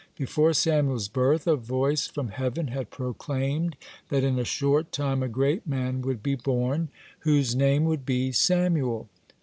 Before Samuel's birth a voice from heaven had proclaimed that in a short time a great man would be born, whose name would be Samuel.